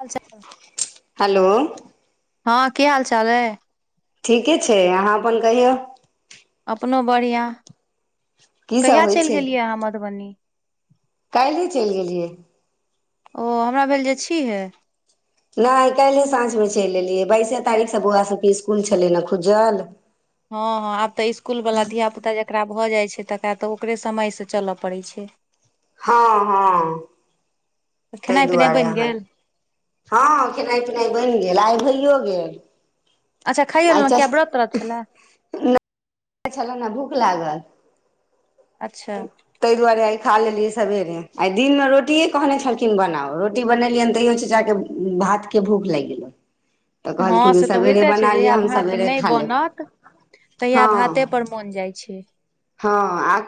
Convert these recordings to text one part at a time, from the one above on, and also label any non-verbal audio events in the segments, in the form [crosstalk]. हाल चाल हेलो हँ की हाल चाल है ठीके छै अहाँ आपन कहियौ अपनो बढ़िया की सब कहिया होइ चैल छै गेलियै अहाँ मधुबनी काल्हि ही चलि गेलियै ओ हमरा भेल जे छिहे नहि काल्हिहे साँझमे चैल एलियै बाइसे तारीखसँ बौआ सभके इसकुल छलै ने खुजल हँ हँ आब तऽ इस्कुल वला धिय पुता जकरा भऽ जाइत छै तकरा तऽ ओकरे समयसँ चलय पड़ैत छै [inaudible] हँ हँ तै खेनाइ पिनाइ दुआरे बनि अहाँ गेल हँ खेनाइ पिनाइ बैन गेल खेलाइ भइयो अच्छा खाइयो गेल लेलहुँ किया व्रत त्रत छलए छल भूख लागल अच्छा तै दुआरे आइ खा लेलियै सबेरे आइ दिनमे रोटिए कहने छलखिन बनाउ रोटी बनेलियनि तैयो चचाके भात के भूख लैग गेलो तऽ हँ कहलखिन जे से तऽ सवेरे होइते छै बना लिअ जहिया हम भात सवेरे नहि खा लेब बनत तहिया हँ भाते पर मोन जाइ छै हँ आ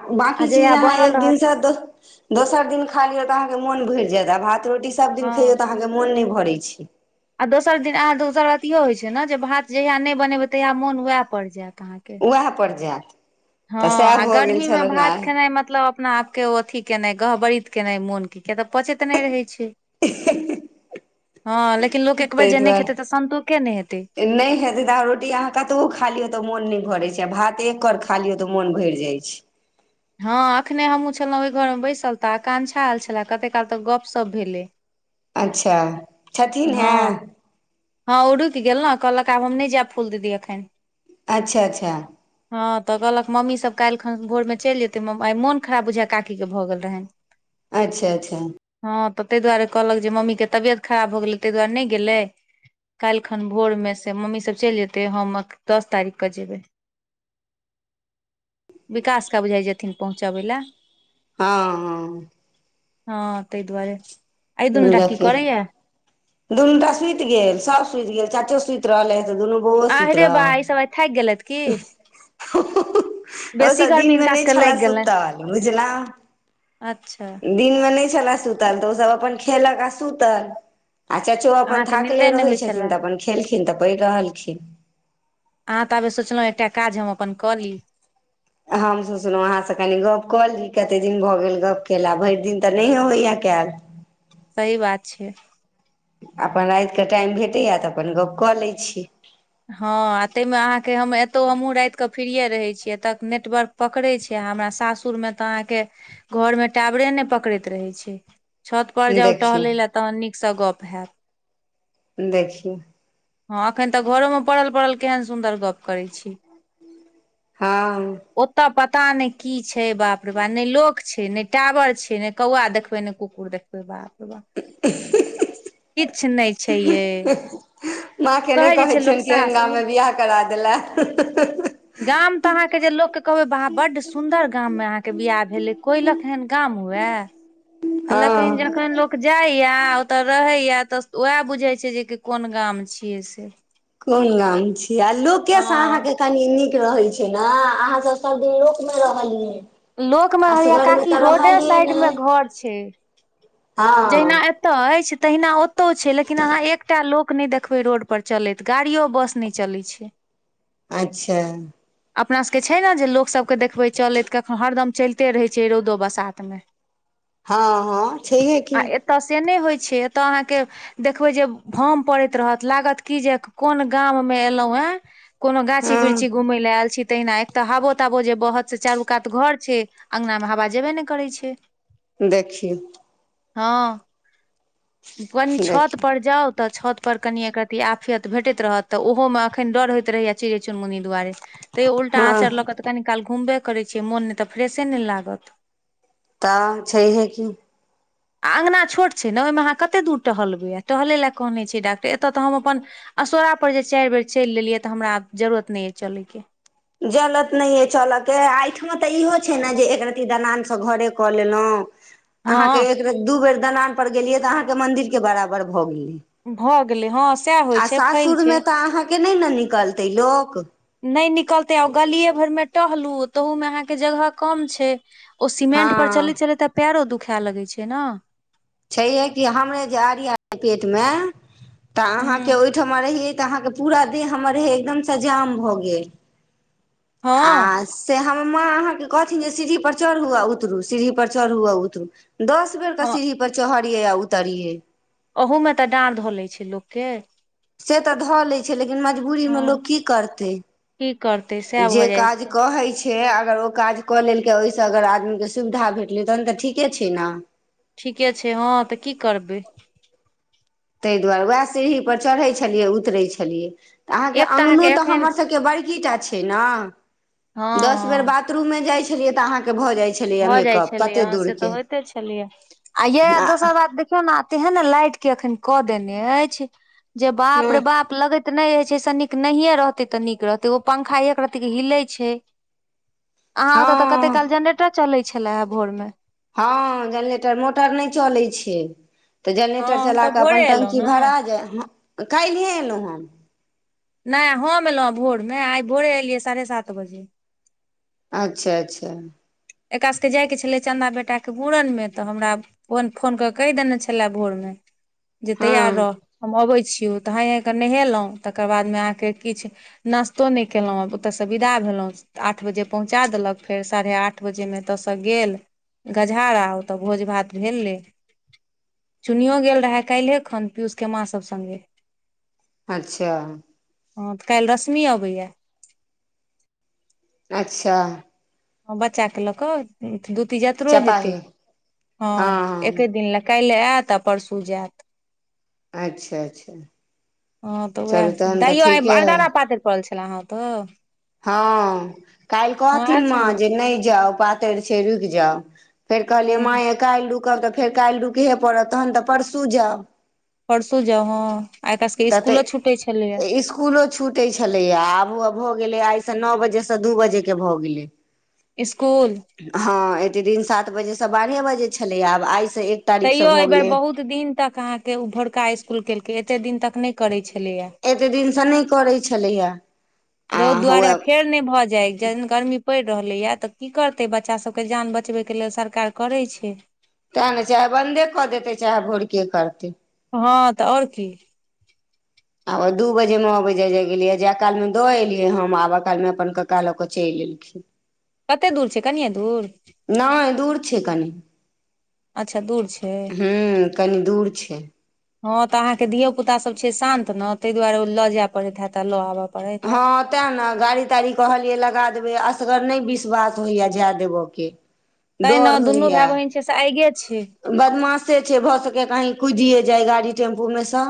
आ बाकी चीज जहिया अहाँ बनल एक रहत दिनसँ दोस दोसर दिन खा लियौ त अहाँके मोन भरि जायत आ भात रोटी सभ दिन हँ खइयौ तऽ अहाँके मन नहि भरै छै आ दोसर दिन अहाँ दोसर बात इहो होइ छै ने जे भात जहिया नहि बनेबै तहिया मोन वएह पर जायत अहाँके वएह पर जायत हँ तऽ सएह आ भऽ गेल गर्मी मे छलनि भात आइ खेनाइ मतलब अपना आपके अथी केनाइ गहबरीत केनाइ मोनके किया तऽ पचैत नहि रहै छै हँ लेकिन लोक एक [inaudible] बेर तै जे नहि खेतै तऽ संन्तोषे नहि हेतै दुआरे नहि हेते तऽ अहां रोटी अहाँ कटबो खालीयौ त' तऽ मोन नहि भरै छै आ भात एक कर खा लियौ तऽ मोन भैर जाइ छै हँ एखने हमहूँ छलहुँ ओहि घरमे बैसल तऽ आकांक्षा आयल छलए कतेक काल तऽ गपशप भेलै अच्छा छथिन हे हँ हँ ओ रुकि गेल ने कहलक आब हम नहि जायब फूल दीदी एखन अच्छा अच्छा हँ तऽ कहलक मम्मीसभ काल्हि खन भोरमे चलि जेतै मम्म आ मोन खराब बुझाय काकीक के भऽ गेल रहैन अच्छा अच्छा हँ तऽ ताहि दुआरे कहलक जे मम्मी के तबियत खराब भ गेलै ताहि दुआरे नहि गेलै काल्हि खन भोरमे से मम्मीसभ चलि जेतै हम दस तारीखकेँ जेबै [inaudible] विकास का बुझाइ जेथिन पहुँचाबै लए हँ हॅ हँ ताहि दुआरे एहि दुनूटा की करैया दुनू टा सुति गेल सब सुति गेल चचो सुति रहले ऽ दुनू बौआ आह सुति रे बा रहल ई सब आइ थाकि गेलथि की हा हा बेसी ओसभ गर्मी दिनमे हिनका नहि सबके छलए लागि गेलनि सुतऽल बुझलहुं अच्छा दिनमे नहि छलए सुतल तऽ ओसभ अपन खेलक आ सुतल आ चचो अपन अहाँके थाकले निन्दे नहि रहै होइ छलए छथिन तऽ अपन खेलखिन तऽ पड़ि रहलखिन आहाँ तबे सो एकटा काज हम अपन कऽ ली हम सोचलहुँ अहाँसँ कनि गप्प कऽ ली कतेक दिन भऽ गेल गप्प केला भैर दिन तऽ नहिऐ होइय कैल सही बात छै अपन रातिकेँ टाइम भेटैए तऽ अपन गप्प कऽ लै छी हँ आ तैमे अहाँके हम एतहु हमहूँ राति कऽ फीरिये रहै छीयै एतऽ नेटवर्क पकड़ै छै हमरा सासुर मे तऽ अहाँके घरमे टावरे नहि पकड़ैत रहै छै छतपर जाउ देखियौ टहलै लए तहन नीकसँ गप्प हैत देखियौ हँ एखन तऽ घरोमे पड़ल पड़ल केहन सुन्दर गप्प करैत छी हँ ओत्त प पुता ने की छै बाप रे बाप ने लोक छै नहि टावर छै ने कौआ देखबै ने कुकुर देखबै बाप रे बा ही ही किछु नहि छै यै माँ के नहि कहैत छियनि केहन गाममे बियाह करा देला गाम तऽ अहाँके जे लोकके कहबै आहा बड्ड सुंन्दर गाममे अहाँके बियाह भेल ऐ कोइलक एहन गाम हुए आ लेकनि हँ जखन लोक जाइया ओतय रहैया तऽ उएह बुझै छै जे कि कोन गाम छियै से कोन गाम छी आ लोके हँ से अहाँ के कनि नीक रहै छै ने अहाँ सब दिन लोक मे रहलियै लोकमे होइया असगरमे काकि तऽ रोडे रहलियै साइड नहि मे घर छै जहिना हँ एतय ऐछ तहिना ओतो छै लेकिन अहाँ एक टा लोक नइ देखबइ रोड पर चलैत गाड़ियो बस नहि चलै छै अच्छा अपना सबके छै न जे लोक सभके देखबै चलैत कखन हरदम चलिते रहै छै रौदो बसात मे हँ हँ छैहे की आ एतऽ से नइ होइ छै छै एतय अहाँ के देखबे जे भम पड़ैत रहत लागत की जे कोन गाम मे एलौ ह [inaudible] कोनो गाछी हँ वृक्षी घूमय ल आयल छी तहिना एक तऽ हाबो ताबो जे बहत से चारू कात घर छै अंगनामे हवा जेबे ने करै छै देखियौ हँ कनि छत देखियौ पर जाउ तऽ छत पर कनिय एक रती आफियत भेटैत रहत तऽ ओहो म ऐखन डर होइत रहैया चिड़ैय चुनमुनी दुआरे तैयो उल्टा हँ आँचर लऽ कऽ तऽ कनि काल घुमबे करै छियै मोन नइ तऽ फ्रेशे नइ लागत तऽ छैहे की [inaudible] अँंगना छोट छै न ओहिमे अहाँ कते दूर टहलबै टहलै ल कहने छै डाक्टर एत तऽ हम अपन असोरा पर जे चाइर बेर चैल लेलियै तऽ हमरा आब जरूरत नइ ऐ चलयके जलत नहि अइ चलयके आ एहिठमा तऽ इहो छै ने जे एक रत्ती दलान स घरे कऽ लेलहुँ अहाँके हँ एक बेर दू बेर दलान पर गेलियै तऽ अहाँके मंदिर के बराबर भऽ गेलै भऽ गेलै हँ सएह होइ आ छै फैल छै सासुरमे तऽ अहाँके नइ न निकलतै लोक नहि निकलते आउ गलियए भरमे टहलू तहू मे अहा के जगह कम छै ओ सीमेंट पर हँ चलैत चलैत त पैरो दुख खै लगै छै न छै हे कि हमरे जे अरिया पेट मे तऽ अहाँके हूँ ओहिठमा रहिये त अहाँके पूरा देह हमर रहे एकदम स जाम भ गेल आ हँ से हम माँ अहाँके कहथिन जे सीढ़ी पर चढू आ उतरू सीढ़ी पर चढू आ उतरू दस बेर क हँ सीढ़ी पर चहरियै आ उतरियै ओहूमे तऽ डाँर ध लइ छै लोकके से तऽ धऽ लै छै लेकिन मजबूरी मे हँ लोक की करतै की करतै सएह जे भऽ जाइ काज छै कहे छै आ अगर ओ काज कऽ लेलकै ओहिसँ अगर आदमीके सुविधा भेटलै तहन तऽ ठीके छै न ठीके छै हँ तऽ की करबै तै द्वारे वेह सीढ़ीपर चरहै छलियै उतरै छलियै तऽ अहाँके अंगनो तऽ हमरसभके बड़की टा छै हँ न दस बेर हँ बाथरूम मे जाइत छलियै तऽ अहाँके भऽ जाइ छलैए भऽ जाइ मेकअप छलैया कते हं से तऽ दूरके होइते छलैया आ यै दोसर बात देखियौ न तेहन लाइट के अखन कऽ देने अछि जे बाप हँ रे बाप लगे नहि होइ छै से नीक नहिऐ रहतै तऽ नीक रहतै ओ पंखा एक रत्ती क हिलै छै अहाँ ओत्त तऽ कते हँ काल जेनरेटर चलै छलेह भोर मे हँ जेनरेटर मोटर नइ चलै छै तऽ हँ जेनरेटर हम चला तऽ कऽ भोरे अपन एलहुँ टंकी ने भरा जाय काल्हिए एलौ ह नइ हम एलौ भोरमे आइ भोरे एलियै साढ़े सात बजे अच्छह अच्छह एकरा सकेँ जायके छलै चन्दा बेटाके मुरनमे जे हँ तैयार रह हम अबै छी छियो त हैं हैं क नहेलौं तकर बाद में अहाँ के किछ नास्तो नइ केलोँ ओत्त स विदा भेलौं लौं से आठ बजेमे एत्तसँ गेल चुनिओ गेल रहे काइल्हे खन पियूषके माँ सभ सङ्गे अच्छा हँ तऽ काल्हि रश्मि अबैया अच्छा हं बच्चा के लऽ कऽ दूती जतरो हेतै चपाही हँ हँ हँ एके दिन ल काल्हि आयत आ परसू जायत अच्छा अच्छा हँ तऽ चलू उएह तहन तऽ तैयो ठीके अइ अरदारा पातरि पड़ल छलए अहँ औतो हँ काल्हि कहथिन आयल माँ छली जे नहि जाउ पातरि छै रुकि जाउ फेर कहलियै हँ मांयै काल्हि रूकब तऽ फेर काल्हि रुकहे पड़त तखन तऽ परसू जाउ परसू जाउ हॅं त तऽ इसकुलो छूटै छलैया आब भऽ गेलै आइसँ नओ बजेसँ दू बजे के भऽ गेलै स्कूल हँ एते दिन सात बजेसँ बारहे बजे छलै आब आ तैयो एहिबेर बहुत दिन तक अहाँके उ भोरका इस्कुल केलकै एतेक दिन तक नहि करैत छै एतेक दिनसँ नहि करै छलैए आ रौद दुआरे हुए फेर नहि भऽ जेहन गर्मी पड़ि रहलैए तऽ की करतै बच्चाभके जान बचबैके लेल सरकार करै छै तेँ ने चाहे बन्दे कऽ देतै चाहे भोरके करतै हँ तऽ आओर की आब दू बजे मे अबै जाय जाय गेलयै जाय काल में दऽ एलियै हम आबे काल मे अपन क का लऽ केऽ चलि ‌ऐलखिन कते दूर छै कनिये दूर नहि दूर छै कनि अच्छा दूर छै हूँ कनि दूर छै हँ तऽ अहाँके धियो पुता सब छै शान्त तऽ ने ता दुआरे ओ लऽ जाय पड़ैत हे त आ लऽ आबऽ पड़ैत हैत हँ तें ने गाड़ी ताड़ी कहलियै लगा देबै असगर नहि विश्वास होइया जाए देबऽ के तैं ने दुनू भाय बहिन छै से आइगे छै बदमाशे छै भऽ सकैय कहिं कुदिये जाय गाड़ी टेम्पूमे सँ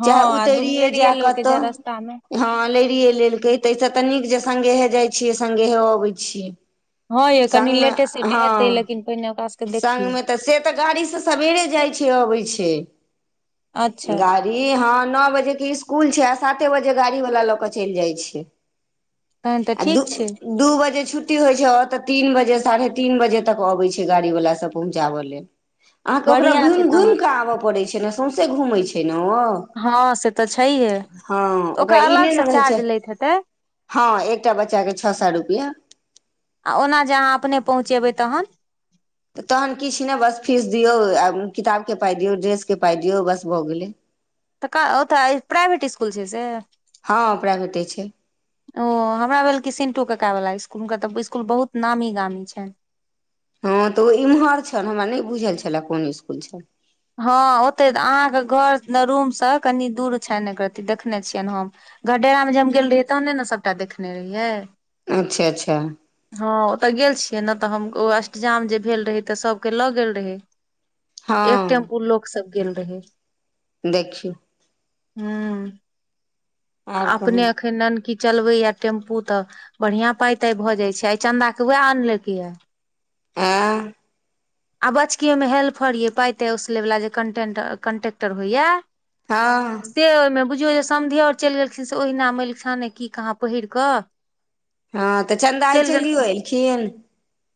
हँ चाहे आ दुनू उतरिये लड़िये जाय लेलकै कत्तौ जे रस्ता मे हँ लरिए लेलकै ताहिसँ तऽ नीक जे संगेहे जाइ छियै संगेहे अबै छियै हँ यै कनि सङ्गमे लेटे सेटे एतै हँ लेकिन पहिने ओकरा सभके संगमे तऽ से तऽ गाड़ीसँ सवेरे जाइ छै अबै छै अच्छा गाड़ी हँ नओ बजे क इसकुल छै साते बजे गाड़ी वाला लऽ कऽ चलि जाइ छै तहन तऽ आ ठीक छै द दू बजे छुट्टी होइ छै तऽ तीन बजे साढ़े तीन बजे तक अबै छै गाड़ी वाला से पहुँचाब लेल अहाँके ओकरा बढ़ियां घुइम छै घुइम तहन क' आबऽ पडै़ छै सौंसे घूमय छै हँ से तऽ छैहे हँ ओकर ओकरा ई अलग नहि से ने रहै चार्ज छै लैत हेतै हँ एकटा बच्चाके छओ सए रुपैआ आ ओना जे अहाँ अपने पहुँचेबै तहन तऽ तहन किछ नै बस फीस दियौ आ किताबके पाइ दियौ ड्रेसके पाइ दियौ बस भऽ गेलै तऽ ओतऽ प्राइवेट इसकुल छै से हँ प्राइवेटे छै ओ हमरा भेल क सिन्टू कका बला स्कुल उनका त इसकुल बहुत नामी गामी छै हँ तऽ ओ इम्हर छल हमरा नहि बुझल छलए कोन इसकुल छै हँ ओतहि अहाँके घर रूमसँ कनि दूर छनि एक रति देखने छियनि हम घरडेरामेजे हम गेल रहियै तहने ने सभटा देखने रहियै अच्छा अच्छा हँ ओतऽ गेल छियै ने तऽ हम ओ अष्टजाम जे भेल रहै तऽ सभके लऽ गेल रहै एक हँ टेम्पू लोक सब गेल रहे देखियौ हूं आर कहू अपने अखन ननकी चलबैए टेम्पू तऽ बढ़िआँ पाइ ताइ भऽ जाइत छै आइ चंदा के उएह आनलकै यए एं आ बचकी ओहिमे हेल्फहरियै पाइ ताइ ओसलैवला जे कन्टे कन्टेक्टर होइए हँ ओ जे समधियौर चलि गेलखिन से ओहिना मैलछाने की कहाँ पहिर कऽ हँ तऽ चन्दा आइ चलि चलियो गेलखिन एलखिन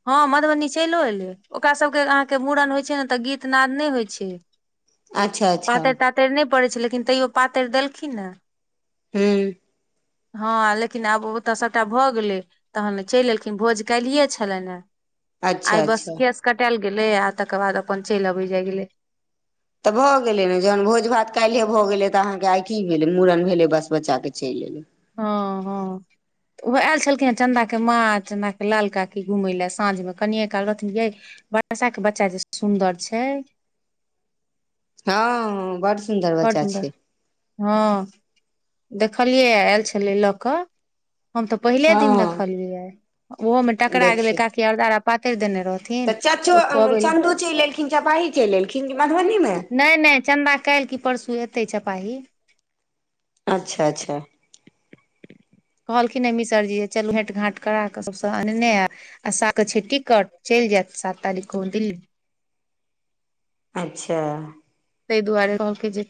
हँ मधुबनी चलिओ एलै ओकरा सभके अहाँके मूड़न होइ छै ने तऽ गीतनाद नहि होइ छै अच्छा अच्छा पातैर तातैरि नहि पड़ै छै लेकिन तैयो पातरि देलखिन ने हूं हँ लेकिन आब ओतय सभटा भऽ गेलै तखन चलि एयलखिन भोज काल्हिए छलनि हेँ अच्छा आइ बस अच्छा केश कटायल गेलै आ तकर बाद अपन चलि अबय जाय गेलै तऽ भऽ गेलै ने जहन भोज भात काल्हिे भऽ गेलै तऽ अहाँके आइ की भेलै मूड़न भेलै बस बच्चा के चलि एयलै हँ हँ तऽ ओहो आयल छलखिनेँ चन्दाके माँ चन्दाके लाल काकी घूमय लए साँझमे कनिए काल रहथिन यै वर्षा के बच्चा जे सुन्दर छै हँ बड़ सुन्दर बच्चा छै हँ देखलियै आयल छलै लऽ कऽ हम तऽ पहिले दिन हँ देखलियै ओहोमे टकरा गेलै देखियौ काकी अरदारा पातरि देने रहे रहथिन तऽ त चाचो खुओबय लेल चन्दो चलि एलखिन चपाही चलि एलखिन कि मधुबनीमे नै नै चन्दा काल्हि की परसू एतै चपाही अच्छा अच्छा कहलखिन हं मिसर जी चलू भेंट घाँट करा के सबसँ अनने आ सा क छै टिकट चलि जायत सात तारिख क' ओ दिल्ली [inaudible] अच्छा ताहि दुआरे कहलकै जे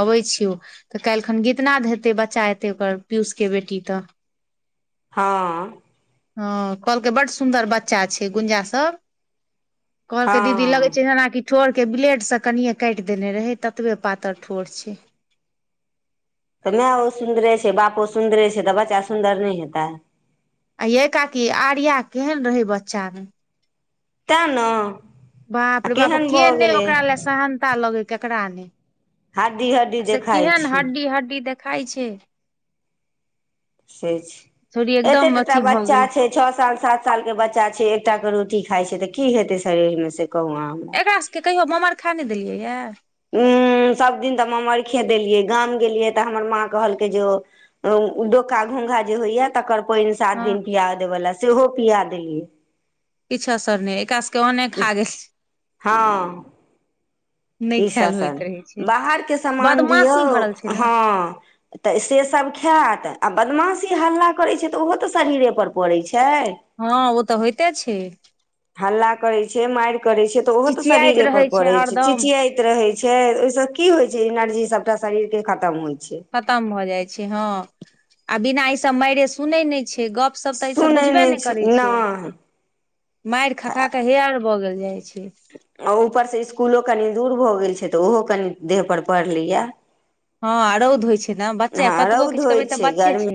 अबै छियौ तऽ काल्हिखन गीतनाद हेते बच्चा एतै ओकर पियूष के बेैटी तऽ हँ हँ कहलकै बड़ सुन्दर बच्चा छै गुंजा सभ कहलकै दीदी लगे हँ छै जेना कि ठोड़ के ब्लेड से कनिए काटि देने रहै ततबे पातर ठोर छै तऽ माय ओ सुन्दरे छै बापो सुन्दरे छै तऽ बच्चा सुन्दर नहि हेतै आ यै काकी आर्या केहन रहै बच्चामे तें न बाप रे बाप के नहि ओकरा लए सहनता लगै केकरा नहि हड्डी हड्डी आ से देखाइ केहन छै हड्डी हड्डी देखाइ छै से छै छौरी एकदम एते टा टा अथी भऽ बच्चा गेलै छै छओ साल सात साल के बच्चा छै एकटा क रोटी ठीक खाइ छै तऽ की हेतै शरीर मे से कहू अहाँ हमरा एकरास सभके कहियो ममरखा नइ देलियैए हू सब दिन तऽ ममरखा देलियै गाम गेलियै तऽ हमर माँ कहलकयै जे ओ ढोका घोंघा जे होइया तकर पानि सात हँ दिन पिया देबला सेहो पिया देलियै किछु असर नै एकरा सब के ओने खागेल कि ससल बाहरके सामान दियौ बदमाशी भरल छै ने हँ तऽ से सब ब खायत आ बदमाशी हल्ला करे छै त ओहो तऽ शरीरे पर पड़े छै हँ ओ तऽ होइते छै हल्ला करै छै माइर करै छै तऽ ओहो तऽ चिचियाइत शरीरे पर रहै पड़े छै हरदम छिचियाइत रहे छै ओहिसँ की होइ छै जेनाजे इ सबटा शरीर के खतम होइ खतम भऽ जाइ छै हँ आ बिना ई सभ माइरे सुनै नइ छे गप सबप तऽ ई सब सुनै बुझबे नहि नइ करै छै नहि माइर खा खा के हेहर भऽ गेल जाइ छै आ ऊपरसँ स्कूलो कनि दूर भऽ गेल छै तऽ ओहो कनि देहपर पढ़लैयए हँ रौद होइ छै न बच्चा कतबो रौद किछु करबै होइत तऽ बच्चे छै गर्मी